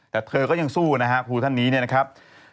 แต่เธอก็ยังสู้นะฮะครูท่านนี้เนี่ยนะครับ